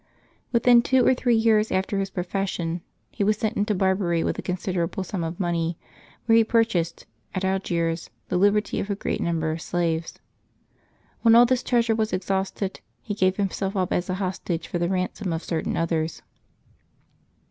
Within two or three years after his profession, he was sent into Barbary with a considerable sum of money, where he purchased, at Algiers, the liberty of a great num ber of slaves. When all this treasure was exhausted, he gave himself up as a hostage for the ransom of certain others.